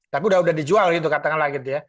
tapi udah udah dijual gitu katanya lah gitu ya